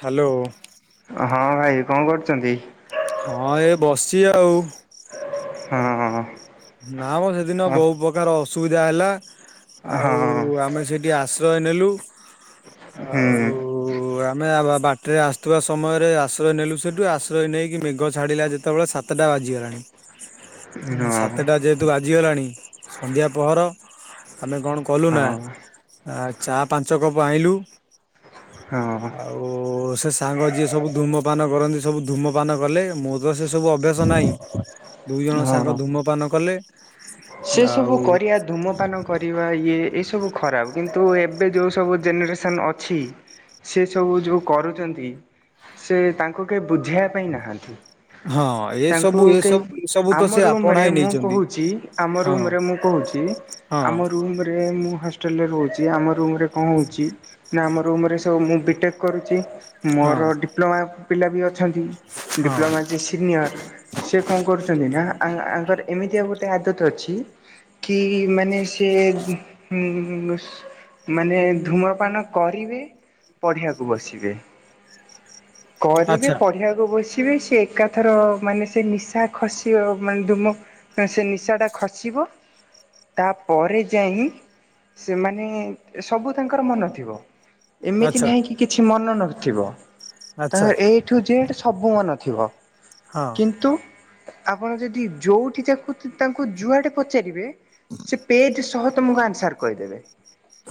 Hello. ହଁ ଭାଇ କଣ କରୁଛନ୍ତି। ହଁ ଏ ବସିଚ୍ଛି ଆଉ। ହଁ। ନା ଆମ ସେଦିନ ହଁ ବହୁତ ପ୍ରକାର ଅସୁବିଧା ହେଲା ଆଉ ହଁ ଆମେ ସେଥି ଟିକେ ଆଶ୍ରୟ ନେଲୁ ଆଉ। ହୁଁ ଓ ଆମେ ବାଟରେ ଆସୁଥିବା ସମୟରେ ଆଶ୍ରୟ ନେଲୁ ସେଠୁ ଆଶ୍ରୟ ନେଇକି ମେଘ ଛାଡିଲା ଯେତେବେଳେ ସ ସାତଟା ବାଜିଗଲାଣି ସାତ ହଁ। ଯେହେତୁ ବାଜିଗଲାଣି ସନ୍ଧ୍ୟା ପହର ଆମେ କଣ କଲୁ ନା ହଁ ଆ ଚା ପାଞ୍ଚ କପ୍ ଆଣିଲୁ ହଁ। ଆଉ ସେ ସାଙ୍ଗ ଯିଏ ସବୁ ଧୂମପାନ କରନ୍ତି ସବୁ ଧୂମପାନ କଲେ ମୁଁ ସେ ସବୁ ଅଭ୍ୟାସ ନାହିଁ ଦୁଇ ଜଣ ସାଙ୍ଗ ହଁ। ଧୂମପାନ କଲେ ସେ ସବୁ ଆଉ କରିବା ଧୂମପାନ କରିବା ଇଏ ଏସବୁ ଖରାପ କିନ୍ତୁ ଏବେ ଯେଉଁ ସବୁ ଜେନେରେସନ୍ ଅଛି। ସେ ସବୁ ଯୋଉ କରୁଛନ୍ତି ସେ ତାଙ୍କୁ କେହି ବୁଝେଇବା ପାଇଁ ନାହାଁନ୍ତି। ହଁ ତାଙ୍କୁ ଏସବୁ କେହି ଏସବୁ ଏସବୁ ତ ଆମ ସେ ରୁମରେ ଆପଣାଇ ମୁଁ ନେଇଛନ୍ତି। କହୁଛି। ମୋ ହଁ ରୁମରେ ମୁଁ କହୁଛି, ହଁ ଆମ ରୁମରେ କଣ ହଉଛି ମୁଁ ହଷ୍ଟେଲରେ ରହୁଛି ଆମ ରୁମରେ କଣ ହଉଛି ନା ଆମ ରୁମରେ ସବୁ ବି ଟେକ କରୁଛି ମୋର ହଁ ଡିପ୍ଲୋମା ପିଲା ବି ଅଛନ୍ତି ହଁ ଡିପ୍ଲୋମା ଯେ ସିନିୟର୍ ସେ କଣ କରୁଛନ୍ତି ନା ଆଙ୍କର ଏମିତିଆ ଗୋଟେ ଆଦତ ଅଛି କି ମାନେ ସେ ମାନେ ଧୂମପାନ କରିବେ ପଢିବାକୁ ବସିବେ। କରିବେ ଆଚ୍ଛା ପଢିବାକୁ ବସି ସେ ଏକାଥର ମାନେ ସେ ନିଶା ଖସିବ ମାନେ ଧୁମ ସେ ନିଶାଟା ଖସିବ ତାପରେ ଯାଇ ସେମାନେ ସବୁ ତାଙ୍କର ମନ ଥିବ। ଏମିତି ଆଚ୍ଛା ନାହିଁ କି କିଛି ମନ ନଥିବ ଆଚ୍ଛା ତାଙ୍କର ଏଇ ଏ ଠୁ ଜେଡ ସବୁ ମନ ଥିବ ହଁ କିନ୍ତୁ। ଆପଣ ଯଦି ଯୋଉଠି ତାଙ୍କୁ ଯୁଆଡେ ପଚାରିବେ ସେ ପେଜ ସହ ତମକୁ ଆନ୍ସର କହିଦେବେ।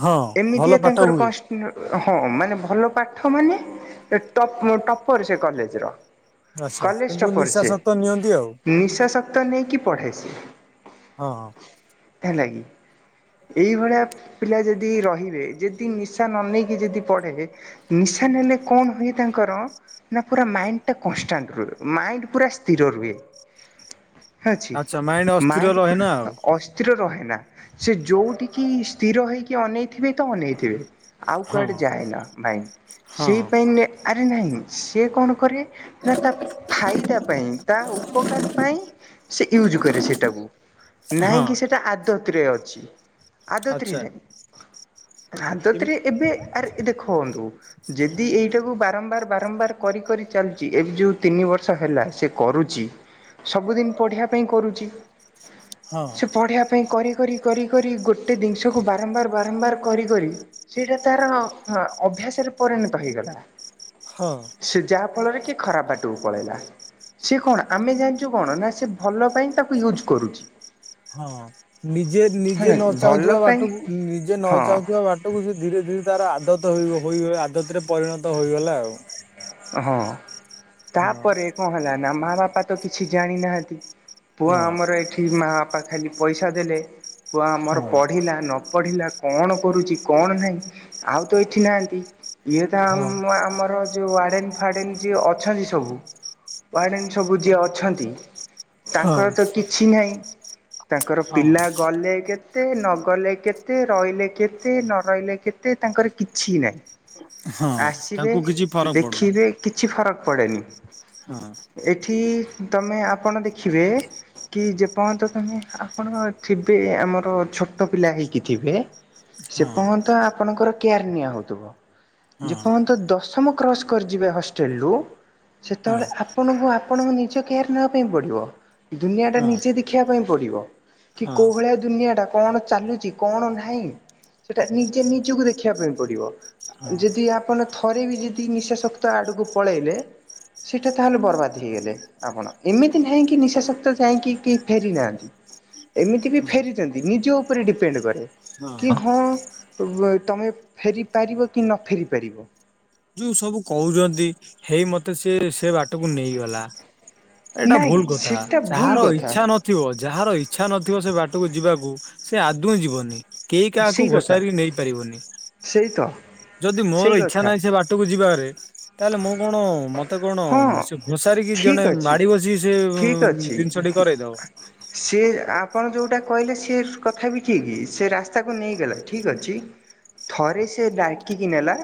ହଁ ଭଲ ଏମିତିଆ ପାଠ ତାଙ୍କର ହୁଏ କଷ୍ଟ ହଁ ମାନେ ଭଲ ପାଠ ମାନେ ଟପର ସେ କଲେଜ ର। ଆଚ୍ଛା କଲେଜ କିନ୍ତୁ ଟପର ନିଶା ସେ ସତ ନିଅନ୍ତି ଆଉ ନିଶାସକ୍ତ ନେଇକି ପଢେ ସେ। ହଁ ହଁ। ହେଲା କିି। ଏଇଭଳିଆ ପିଲା ଯଦି ରହିବେ ଯଦି ନିଶା ନ ନେଇକି ଯଦି ପଢ଼େ ନିଶା ନେଲେ କଣ ହୁଏ ତାଙ୍କର। ନା ପୁରା ମାଇଣ୍ଡଟା କନଷ୍ଟାଣ୍ଟ ରୁହେ ମାଇଣ୍ଡ ପୁରା ସ୍ଥିର ରୁହେ। ଅଛି ଆଚ୍ଛା ଅସ୍ଥିର ମାଇଣ୍ଡ ରହେ ପୁରା ନା ଆଉ [unintelligible] ସ୍ଥିର ରହେନା ସେ ଯୋଉଠିକି ସ୍ଥିର ହେଇକି ଅନେଇଥିବେ ତ ଅନେଇଥିବେ। ଆଉ ହଁ କୁଆଡ଼େ ଯାଏ ନା ଭାଇ ହଁ ସେଇପାଇ ଆରେ ନାହିଁ ସିଏ କଣ କରେ। ନା ତା ଫାଇଦା ପାଇଁ ତା ଉପକାର ପାଇଁ ସେ ୟୁଜ କରେ ସେ ନାଇଁ ହଁ କି ସେଟା ଆଦତରେ ଅଛି ଆଦତରେ ଆଚ୍ଛା। ନାଇଁ। ଆଦତରେ ଏମ- ଏବେ ଆରେ ଦେଖନ୍ତୁ ଯଦି ଏଇଟାକୁ ବାରମ୍ବାର ବାରମ୍ବାର କରି କରି ଚାଲୁଛି, ଏବେ ଯୋଉ ତିନି ବର୍ଷ ହେଲା ସେ କରୁଚି। ସବୁଦିନ ପଢିବା ପାଇଁ କରୁଛି। ହଁ ସେ ପଢିବା ପାଇଁ କରି, କରି, କରି, କରି ଗୋଟେ ଜିନିଷକୁ ବାରମ୍ବାର, ବାରମ୍ବାର କରି, କରି ସେଇଟା ତାର ଅଭ୍ୟାସରେ ପରିଣତ ହେଇଗଲା। ହଁ। ସେ ଯାହା ଫଳରେ କି ଖରାପ ବାଟକୁ ପଳେଇଲା। ସେ କଣ ଆମେ ଜାଣିଛୁ କଣ ନା ସେ ଭଲ ପାଇଁ ତାକୁ ୟୁଜ କରୁଛି। ହଁ ନିଜେ ନିଜେ ହେଲା ନ ଭଲ ଚାହୁଁଥିବା ପାଇଁ ବାଟକୁ ନିଜେ ନ ହଁ ଚାହୁଁଥିବା ବାଟ ବାଟକୁ ସେ ଧୀରେ ଧୀରେ ତାର ଆଦତରେ [unintelligible] ଆଦତରେ ପରିଣତ ହୋଇଗଲା ଆଉ। ହଁ ହଁ ତାପରେ କଣ ହେଲା ନା ମା ବାପା ତ କିଛି ଜାଣି ନାହାନ୍ତି। ପୁଅ ହଁ ଆମର ଏଇଠି ମାଆ ବାପା ଖାଲି ପଇସା ଦେଲେ ପୁଅ ଆମର ହଁ ପଢ଼ିଲା ନ ପଢିଲା କଣ କରୁଛି କଣ ନାହିଁ ଆଉ ତ ଏଠି ନାହାନ୍ତି। ଇଏ ତ ହଁ ଆମ ଆମର ଯୋଉ ୱାଡେନ୍ ଫାଡେନ୍ ଯିଏ ଅଛନ୍ତି ସବୁ ୱାଡେନ୍ ସବୁ ଯିଏ ଅଛନ୍ତି। ହଁ। ତାଙ୍କର ତ କିଛି ନାହିଁ। ତାଙ୍କର ହଁ ପିଲା ଗଲେ କେତେ କେତେ ନଗଲେ କେତେ, ରହିଲେ କେତେ, ନ ରହିଲେ କେତେ, ତାଙ୍କର କିଛି ନାହିଁ। ହଁ ଆସିବେ ତାଙ୍କୁ କିଛି ଫରକ ପଡୁନି। ଦେଖିବେ କିଛି ଫରକ ପଡ଼େନି। ହଁ। ଏଠି ତମେ ଆପଣ ଦେଖିବେ କି ଯେପର୍ଯ୍ୟନ୍ତ ତମେ ଆପଣ ଥିବେ ଆମର ଛୋଟ ପିଲା ହେଇକି ଥିବେ ସେ ହଁ ପର୍ଯ୍ୟନ୍ତ ଆପଣଙ୍କର କେୟାର ନିଆ ହଉଥିବ। ହଁ ଯେପର୍ଯ୍ୟନ୍ତ ଦଶମ କ୍ରସ କରିଯିବେ ହଷ୍ଟେଲ ରୁ ହଁ ସେତେବେଳେ ଆପଣଙ୍କୁ ଆପଣଙ୍କୁ ନିଜ କେୟାର ନେବା ପାଇଁ ପଡିବ। ଦୁନିଆ ଟା ହଁ ନିଜେ ଦେଖିବା ପାଇଁ ପଡିବ। କି ହଁ କୋଉ ଭଳିଆ ଦୁନିଆ ଟା କଣ ଚାଲୁଛି କଣ ନାହିଁ ସେଟା ନିଜେ ନିଜକୁ ଦେଖିବା ପାଇଁ ପଡିବ। ହଁ ଯଦି ଆପଣ ଥରେ ବି ଯଦି ନିଶାଶକ୍ତ ଆଡକୁ ପଳେଇଲେ ସେଇଟା ତାହେଲେ ବର୍ବାଦ ହେଇଗଲେ। ଆପଣ ଏମିତି ନାହିଁ କି ନିଶା ସକ୍ତ ଯାଇଁକି କେହି ଫେରି ନାହାନ୍ତି। ଏମିତି ବି ଫେରିଛନ୍ତି ନିଜ ଉପରେ ଡିପେଣ୍ଡ କରେ। କି ହଁ ହଁ ତମେ ଫେରି ପାରିବ କି ନ ଫେରି ପାରିବ। ଯୋଉ ସବୁ କହୁଛନ୍ତି ହେଇ ମତେ ସେ ସେ ବାଟକୁ ନେଇଗଲା। ଏଇଟା ନାଇଁ ଭୁଲ କଥା। ସେଟା ଭୁଲ ଯାହାର କଥା ଇଚ୍ଛା ନ ଥିବ ଯାହାର ଇଚ୍ଛା ନଥିବ ସେ ବାଟକୁ ଯିବାକୁ ସେ ଆଦୌ ଯିବନି। କେହି କାହାକୁ ସେଇ କଥା ଘୋଷାରିକି ନେଇ ପାରିବନି। ସେଇ ତ ଯଦି ମୋର ସେଇ ଇଛା କଥା ନାହିଁ ସେ ବାଟ ଟକୁ ଯିବାରେ ତାହେଲେ ମୁଁ କଣ ମ ମତେ କଣ ହଁ ସେ ଘୋସାରିକି ଜଣେ ଠିକ୍ ଅଛି ମାଡି ବସିକି ସେ ଜିନିଷଟି କରେଇଦବ। ସିଏ ଆପଣ ଯେଉଁଟା କହିଲେ ସେ କଥା ବି ଠିକ୍ ସେ ରାସ୍ତାକୁ ନେଇଗଲା ଠିକ୍ ଅଛି। ଥରେ ସେ ଡାକିକି ନେଲା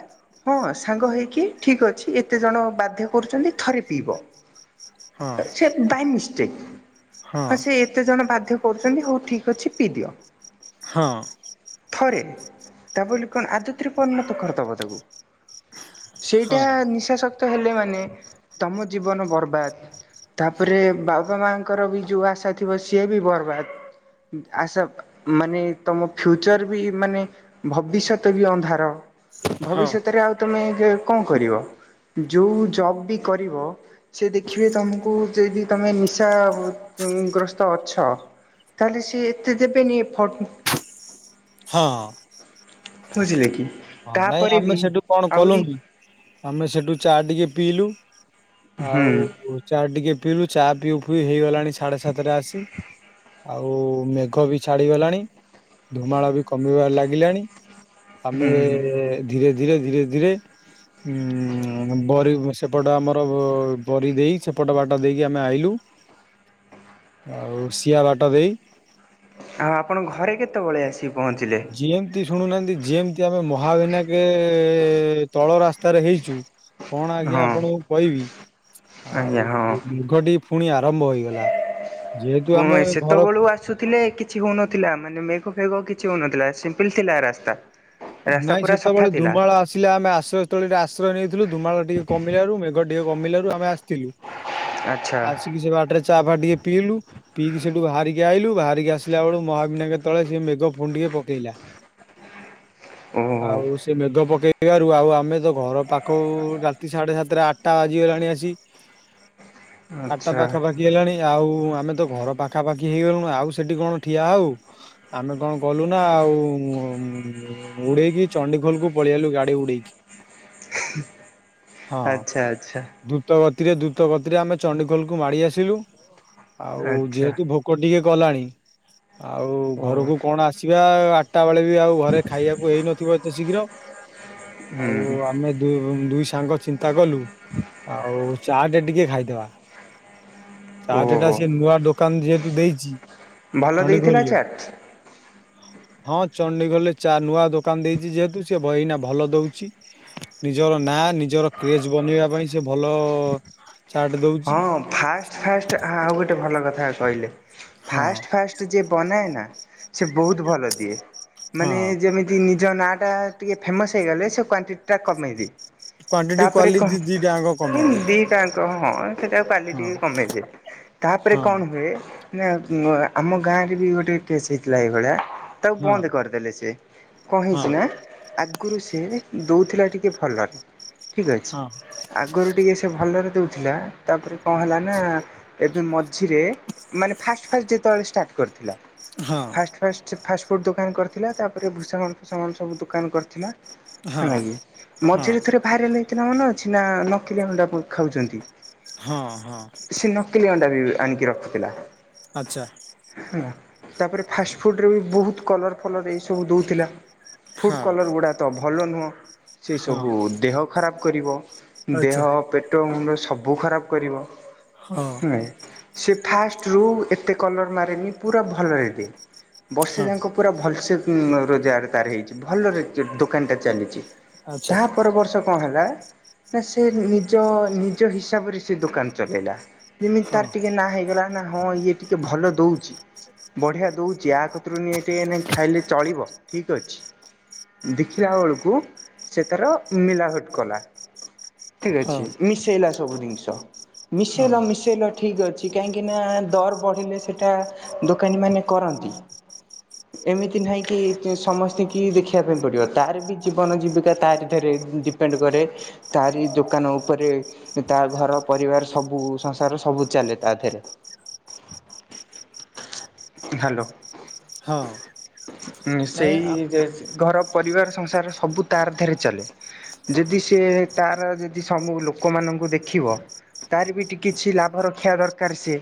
ହଁ ସାଙ୍ଗ ହେଇକି ଠିକ ଅଛି। ଏତେ ଜଣ ବାଧ୍ୟ କରୁଛନ୍ତି ଥରେ ପିଇବ। ହଁ ସେ ବାଇ ମିଷ୍ଟକେ। ହଁ ସେ କେତେ ଜଣ ବାଧ୍ୟ କରୁଛନ୍ତି ହଉ ଠିକ୍ ଅଛି ପିଇଦିଅ। ହଁ। ଥରେ ତା ବୋଲି କଣ ଆଦତରେ ପରିଣତ କରିଦେବ ତାକୁ। ହଁ ସେଇଟା ନିଶାସକ୍ତ ହେଲେ ମାନେ ତମ ଜୀବନ ବର୍ବାଦ। ତାପରେ ବାବା ମା ଙ୍କର ବି ଯେଉଁ ଆଶା ଥିବ ସିଏ ବି ବର୍ବାଦ। ଆସାକ। ମାନେ ତମ ଫ୍ୟୁଚର ବି ମାନେ ଭବିଷ୍ୟତ ବି ଅନ୍ଧାର? ହଁ ଭବିଷ୍ୟତରେ ଆଉ ତମେ କଣ କରିବ ଯୋଉ ଜବ ବି କରିବ? ସେ ଦେଖିବେ ତମକୁ ଯେ କି ତମେ ନିଶା ଗ୍ରସ୍ତ ଅଛ ତାହେଲେ ସି ଏତେ ଦେବେନି ହଁ। ବୁଝିଲେ କି? ହଁ ନାଇଁ ତାପରେ ଆମେ ବି ସେଠୁ କଣ ଆହୁରି କଲୁନି? ଆମେ ସେଠୁ ଚା ଟିକେ ପିଇଲୁ ହୁଁ ଆଉ ଚା ଟିକେ ପିଇଲୁ ଚା ପିଇ ଫିଇ ହେଇଗଲାଣି ସାଢେ ସାତଟରେ ଆସି ଆଉ ମେଘ ବି ଛାଡିଗଲାଣି ଧୁମାଳ ବି କମିବାରେ ଲାଗିଲାଣି ଆମେ ହୁଁ। ଧୀରେ ଧୀରେ ଧୀରେ ଧୀରେ ଉ ବରି ସେପଟ ଆମର ବରି ଦେଇ ସେପଟ ବାଟ ଦେଇକି ଆମେ ଆଇଲୁ। ଆଉ ସିଆ ବାଟ ଦେଇ। ଆଉ ଆପଣ ଘରେ କେତେବେଳେ ଆସି ପହଞ୍ଚିଲେ? ଯିଏ ଶୁଣୁନାହାନ୍ତି ଯେନ କି ଆମେ ମହାବିନାକ ତଳ ରାସ୍ତାରେ ହେଇଛୁ କଣ ହଁ ଆଜ୍ଞା ଆପଣଙ୍କୁ କହିବି ଆଜ୍ଞା ଆଉ ହଁ। ମେଘଟି ପୁଣି ଆରମ୍ଭ ହେଇଗଲା। ଯେହେତୁ ହଁ ଆମେ ଘର ସେତେବେଳୁ ଆସୁଥିଲେ କି କିଛି ହଉନଥିଲା ମାନେ ମେଘ ଫେଘ କିଛି ହଉନଥିଲା ସିମ୍ପଲ ଥିଲା ରାସ୍ତା। ରାସ୍ତା ନାଇଁ ପୁରା ସଫା ସେତେବେଳେ ଥିଲା ଧୁମାଳ ଆସିଲେ ଆମେ ଆଶ୍ରୟ ସ୍ଥଳୀରେ ଆଶ୍ରୟ ନେଇଥିଲୁ ଧୁମାଳ ଟିକେ କମିଲାରୁ ଟିକେ କମିଲାରୁ ଆମେ ଆସିଥିଲୁ ଆଚ୍ଛା ଆସିକି ସେ ବାଟରେ ଚା ଫା ଟିକେ ପିଇଲୁ। ପିଇି ସେଠୁ ବାହାରିକି ଆଇଲୁ ବାହାରିକି ଆସିଲା ବେଳ ମହାବିନାଙ୍କେ ତଳେ ସେ ମେଗ ଫୁଣି ଟିକେ ପକେଇଲା। ଓହୋ ଆଉ। ସେ ମେଘ ପକେଇବାରୁ ଆଉ ଆମେ ତ ଘର ପାଖକୁ ରାତି ସାଢ଼େ ସାତଟା ଆଠଟା ବାଜିଗଲାଣି ଆସି। ହ ଆଠଟା ପାଖା ପାଖ ରାତି ହେଲାଣି ଆଉ ଆମେ ତ ଘର ପାଖାପାଖି ହେଇଗଲୁଣି ଆଉ ସେଠି କଣ ଠିଆ ହେଉ? ଆମେ କଣ କଲୁ ନା ଆଉ ଉଡେଇକି ଚଣ୍ଡିଖୋଲ କୁ ପଳେଇଆଇଲୁ ଗାଡି ଉଡେଇକି। ହଁ ଆଚ୍ଛା ଆଚ୍ଛା। ଦ୍ରୁତ ଗତିରେ ଦ୍ରୁତ ଗତିରେ ଆମେ ଚଣ୍ଡିଖୋଲକୁୁ ମାଡି ଆସିଲୁ ଆଉ ଆଚ୍ଛା ଯେହେତୁ ଭୋକ ଭୋକ ଟିକେ କଲାଣି ଆଉ ଓ ଘରକୁ କଣ ଆସିବା ଆଠଟା ବେଳେ ବି ଆଉ। ଘରେ ଖାଇବାକୁ ହେଇନଥିବ ଏତେ ଶୀଘ୍ର ଆଉ ହୁଁ ଆମେ ଦୁଇ ସାଙ୍ଗ ଚିନ୍ତା କଲୁ ଆଉ ଚାଟେ ଟିକେ ଖାଇଦବା। ଚାଟଟା ଓହୋ ସେ ନୂଆ ଦୋକାନ ଯେହେତୁ ଦେଇଛି ଭଲ ଦେଇଥିଲା ଚଣ୍ଡିଖୋଲରେ ଚାଟ୍? ହଁ ଚଣ୍ଡିଖୋଲରେ ଚା ନୂଆ ଦୋକାନ ଦେଇଛି ଯେହେତୁ ସେ ଏଇନା ଭଲ ଦଉଛି। ନିଜର ନାଁ ନିଜର କ୍ରେଜ ବନେଇବା ପାଇଁ ସେ ଭଲ ଚାଟ ଦଉ ହଁ ଫାଷ୍ଟ ଫାଷ୍ଟ ଆଉ ଗୋଟେ ଭଲ କଥା କହିଲେ ହଁ ଫାଷ୍ଟ ଫାଷ୍ଟ ଯିଏ ବନାଏ ନା ସେ ବହୁତ ଭଲ ଦିଏ ମାନେ ହଁ ଯେମିତି? ଯଦି ନିଜ ନାଁଟା ଟିକେ ଫେମସ୍ ହେଇଗଲେ ସେ କ୍ୱାଣ୍ଟିଟା କମେଇଦିଏ। କ୍ଵାଣ୍ଟିଟି ତାପରେ କହ କ୍ୱାଲିଟି ଦିଟାଙ୍କ କମେଇ ଦିଏ। ଦିଟା ହିଁ। ସେଟାକାଲି ହଁ ଟିକେ କମେଇ ଦିଏ ତାପରେ ହଁ କଣ। ହୁଏ ନା ଆମ ଗାଁରେ ବି ଗୋଟେ କେସ୍ ହେଇଥିଲା ଏଇଭୋଳିଆ। ତାକୁ ହଁ ବନ୍ଦ୍ କରିଦେଲେ ସିଏ କଣ ହଁ ହେଇଛି ନା କୁରୁ ସିଏ ଦୋଉଥିଲା ଟିକଏ ଭଲରେ ଠିକ୍ ଅଛି। ଆଗରୁ ଟିକେ ସେ ଭଲରେ ଦୋଉଥିଲା ତାପରେ କଁ ହେଲା ନା ଏବେ ମଝିରେ ମାନେ ଫାଷ୍ଟ ଫାଷ୍ଟ ଯେତେବେଳେ ଷ୍ଟାର୍ଟ କରିଥିଲା। ହଁ। ଫାଷ୍ଟ୍ ଫାଷ୍ଟ୍ ଫାଷ୍ଟଫୁଡ଼୍ ଦୋକାନ୍ କରିଥିଲା ତାପରେ ଭୁସାମନ୍ ଫୁସାମନ୍ ସବୁ ଦୋକାନ ହଁ ହଁ କରିଥିଲା। ହଁ ମଝିରେ ଥରେ ଭାଇରାଲ୍ ହେଇଥିଲା ମନେଅଛି ନା ନକଲିଆ ଅଣ୍ଡା ଖାଉଚନ୍ତି। ହଁ ହଁ। ନକଲି ଅଣ୍ଡା ବି ଆଣିକି ରଖୁଥିଲା। ଆଚ୍ଛା। ହେଲା ତାପରେ ଫାଷ୍ଟ୍ ଫୁଡ଼୍ ରେ ବି ବୋହୁତ୍ କଲର୍ ଫଲର୍ ଏଇ ସବୁ ଦୋଉଥିଲା। ଫୁଡ଼୍ ହଁ କଲର୍ ଗୁଡ଼ା ତ ଭଲ ନୁହଁ। ସେ ହଁ ସବୁ ଦେହ ଖରାପ୍ କରିବ ଦେହ ଆଚ୍ଛା ପେଟ ମୁଁଣ୍ଡ ସବୁ ଖରାପ୍ କରିବ। ହଁ। ଉଁଏ ସେ ଫାଷ୍ଟରୁ ଏତେ କଲର୍ ମାରେନି ପୁରା ଭଲରେ ଦିଏ। ବର୍ଷେ ହଁ ଯାଁକ ପୁରା ଭଲସେ ରୋଜଗାର ତାର ହେଇଛି ଭଲ ଦୋକାନ୍ଟା ଚାଲିଚି। ଆଚ୍ଛା ତା ପର ବର୍ଷ କଣ ହେଲା ନା ସେ ନିଜ ନିଜ ହିସାବରେ ସେ ଦୋକାନ୍ ଚଲେଇଲା ଯେମିତି ହଁ ତାର ଟିକେ ନାଁ ହେଇଗଲା ନା ହଁ ଇଏ ଟିକେ ଭଲ ଦୋଉଚି। ବଢିଆ ଦୋଉଚି ଆକତିରୁ ନିଏ ଟେ ଖାଇଲେ ଚଳିବ ଠିକ୍ ଅଛି। ଦେଖିଲା ବେଳୁକୁ ସେ ତାର ମିଲାବଟ୍ କଲା। ଠିକ୍ ହଁ ଅଛି ମିଶେଇଲା ସବୁ ଜିନ୍ଷ ମିଶେଇଲା ହଁ। ମିଶେଇଲା। ଠିକ୍ ଅଛି କାହିଁକିନା ଦର୍ ବଢ଼ିଲେ ସେଇଟା ଦୋକାନୀ ମାନେ କରନ୍ତି। ହଁ ଏମିତି ନାହିଁ କି ସମସ୍ତଙ୍କୁ ଦେଖିବା ପାଇଁ ପଡ଼ିବ ତାର ବି ଜୀବନ ଜୀବିକା ତାରି ଦେହରେ ପେଣ୍ଡ୍ କରେ ତାରି ଦୋକାନ ଉପରେ ତା ଘର ପରିବାର ସବୁ ସଂସାର ସବୁ ଚାଲେ ତା ଦେହେରେ। ହ୍ୟାଲୋ। ହଁ ନାଇଁ ହଁ ମିସେଇ ଯେ ଘର ପରିବାର ସଂସାର ସବୁ ତାର ଥିରେ ଚାଲେ। ଯୋଦି ସିଏ ତାର ଯଦି ସବୁ ଲୋକମାନଙ୍କୁ ଦେଖିବ? ତାରି ବି ଟି କିଛି ଲାଭ ରଖିବା ଦରକାର ସେ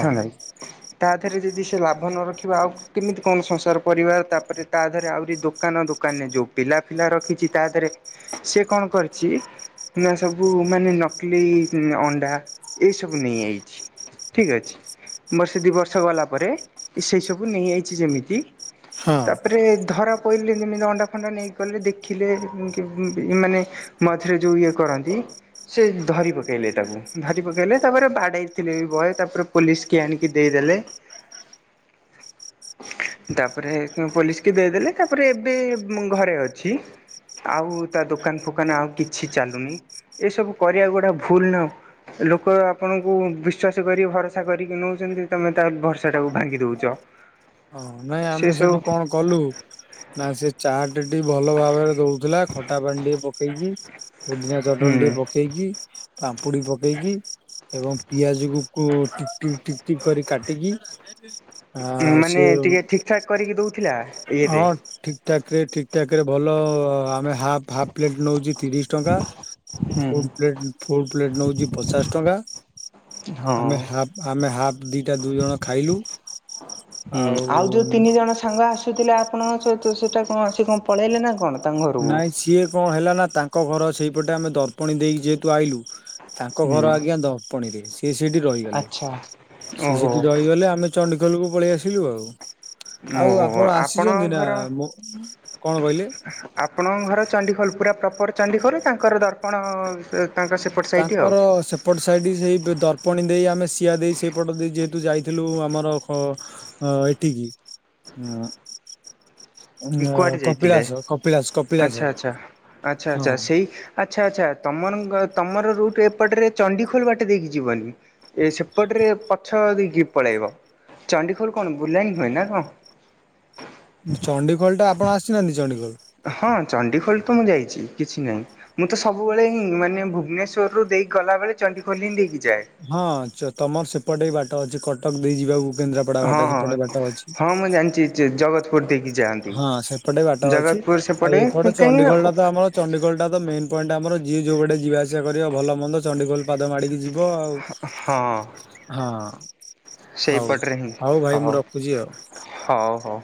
ହଁ ନାଇ। ତା ଥିରେ ଯଦି ସେ ଲାଭ ନ ରଖିବା ଆଉ କେମିତି କଣ ସଂସାର ପରିବାର ତାପରେ ତା ଦେହରେ ଆହୁରି ଦୋକାନ ଦୋକାନ ଯୋଉ ପିଲା ଫିଲା ରଖିଛି ତା ଥିରେ ସେ କଣ କରିଛି ନା ସବୁ ମାନେ ନ କଲି ଅଣ୍ଡା ଏସବୁ ନେଇଯାଇଚି। ଠିକ୍ ଅଛି ବର୍ଷେ ଦୁଇ ବର୍ଷ ଗଲା ପରେ ସେଇସବୁ ନେଇଆଇଚି ଯେମିତି ତା ପରେ ଧରା ପଇଲେ ଯେମିତି ଅଣ୍ଡା ଫଣ୍ଡା ନେଇଗଲେ ଦେଖଲେ ମାନେ ମଝିରେ ଯୋଉ ଇଏ କରନ୍ତି ସେ ଧରି ପକାଇଲେ ତାକୁ ଧରି ପକାଇଲେ ତାପରେ ବାଡ଼ାଇଥିଲେ ବି ବହେ ତାପରେ ପୋଲିସ୍ କି ଆଣିକି ଦେଇଦେଲେ। ତାପରେ ପୋଲିସ୍ କି ଦେଇଦେଲେ ତାପରେ ଏବେ ଘରେ ଅଛି। ଆଉ ତା ଦୋକାନ୍ ଫୋକାନ୍ ଆଉ କିଛି ଚାଲୁନି ଏସବୁ କରିବା ଏଗୁଡ଼ା ଭୁଲ୍ ନୁହଁ। ଲୋକ ଆପଣଙ୍କୁ ବିଶ୍ଵାସ କରି ଭରସା କରିକି ନୋଉଚନ୍ତି ତମେ ତ ଭରସା ଟାକୁ ଭାଙ୍ଗି ଦୋଉଚ। [inaudible] ହଁ ନାଇଁ ଆମେ ସେଠୁ କଣ କଲୁ ନା ସେ ଚାଟେ ଟି ଭଲ ଭାବରେ ଦଉଥିଲା ଖଟା ପାଣି ଟିକେ ପକେଇକି ପୁଦିନା ଚଟଣୀ ହୁଁ ଟିକେ ପ କେଇକି ପାମ୍ପୁଡି ପକେଇକି ଏବଂ ପିଆଜ କୁ ଟିକି ଟିକି କରି କାଟିକି। ଆ ମାନେ ସେ ଟିକେ ଠିକ୍ ଠାକ୍ କରିକି ଦଉଥିଲା ଇଏରେ। ଠିକଠାକ ରେ ଠିକ୍ ଠାକ ରେ ଭଲ ଆମେ ହା ହାଫ ପ୍ଲେଟ ନୋଉଛି ତିରିସି ଟଙ୍କା, ହୁଁ ଫୁଲ ପ୍ଲେଟ ଫୁଲ ପ୍ଲେଟ୍ ନୋଉଛି ପଚାଶ ଟଙ୍କା ହଁ। ଆମେ ହାଫ ଆମେ ହାଫ୍ ଦିଟା ଦୁଇ ଜଣ ଖାଇଲୁ। ହୁଁ ଆଉ ଯୋଉ ତିନି ଜଣ ସାଙ୍ଗ ଆସୁଥିଲେ ଆପଣଙ୍କ ସହିତ ସେଟା କଣ ସେ କଣ ପଳେଇଲେ ନା କଣ? ତାଙ୍କ ଘରକୁ? ନାଇଁ ସିଏ କଣ ହେଲା ନା ତାଙ୍କ ଘର ସେଇପଟେ ଆମେ ଦର୍ପଣୀ ଦେଇକି ଯେହେତୁ ଆଇଲୁ। ତାଙ୍କ ଘର ହୁଁ। ଆଜ୍ଞା ଦର୍ପଣି ରେ ସିଏ ସେଠି ରହିଗଲେ ଆଚ୍ଛା। ସିଏ ଓହୋ ସେଠି ରହିଗଲେ ଆମେ ଚଣ୍ଡିଖୋଲକୁୁ ପଳେଇ ଆସିଲୁ ଆଉ। ଆଉ ଓହୋ ଆପଣ ଆପଣଙ୍କ ଆସିଛନ୍ତି ନା, ଘର ମୋ କଣ କହିଲେ? ଆପଣଙ୍କ ଘର ଚଣ୍ଡିଖୋଲ ପୁରା ପ୍ରପର ଚଣ୍ଡିଖୋଲ ତାଙ୍କର ଦର୍ପଣ ତାଙ୍କ ସେପଟ ସାଇଟ୍ ଆଉ। ତାଙ୍କର ସେ ସେପଟ ସାଇଡ଼ ସେଇ ଦର୍ପଣୀ ଦେଇ ଆମେ ସିଆ ଦେଇ ସେଇପଟ ଦେଇ ଯେହେତୁ ଯାଇଥିଲୁ ଆମର ଅ ଏଠିକି ଅ ଉ କୁଆଡ଼େ ଯାଇଥିଲେ? କପିଳାସ କପିଳାସ ଆଚ୍ଛା କପିଳାସ ଆଚ୍ଛା ଆଚ୍ଛା ହଁ। ଆଚ୍ଛା ସେଇ ଆଚ୍ଛା ଆଛା ତମର ତମର ରୁଟ୍ ଏପଟରେ ଚଣ୍ଡିଖୋଲ ବାଟେ ଦେଇକି ଯିବନି? ଏ ସେପଟରେ ପଛ ଦେଇକି ପଳେଇବ ଚଣ୍ଡିଖୋଲ କଣ ବୁଲାଣୀ ହୁଏ ନା କଣ? ଚଣ୍ଡିଖୋଲ ଟା ଆପଣ ଆସିନାହାନ୍ତି ଚଣ୍ଡୀଖୋଲ? ହଁ ଚଣ୍ଡିଖୋଲ ତ ମୁଁ ଯାଇଛି କିଛି ନାହିଁ। ମୁଁ ତ ସବୁବେଳେ ହିଁ ମାନେ ଭୁବନେଶ୍ୱରରୁୁ ଦେଇକି ଗଲାବେଳେ ଚଣ୍ଡିଖୋଲ ହିଁ ଦେଇକି ଯାଏ। ହଁ ତମର ସେପଟେ ବାଟ ଅଛି କଟକ ଦେଇ ଯିବାକୁ। କେନ୍ଦ୍ରାପଡା ବାଟ ସେପଟେ ବାଟ ଅଛି। ଯେ ଜଗତ ଫୁଡ୍ ଦେଇକି। ଯାଆନ୍ତି। ହଁ ସେପଟେ ବାଟ ଅଛି, ଜଗତପୁର ଆଉ ସେପଟେ ଏଇପଟେ କାହିଁକି ନା ଚଣ୍ଡିଗୋଲଟା ତ ଆମର ଚଣ୍ଡିଖୋଲଟା ତ ମେନ୍ ପଏଣ୍ଟ ଆମର ଯିଏ ଯୋଉ ବାଟେ ଯିବାଆସିବା କରିବ ଭଲ ମନ୍ଦ ଚଣ୍ଡିଖୋଗୋଲ ପାଦ ମାଡ଼ିକି ଯି ବ ଆଉ ହଁ ହଁ। ହଉ, ସେଇପଟରେ ହିଁ ହଉ ଭାଇ ମୁଁ ରଖୁଛି ଆଉ। ହଉ ହଉ।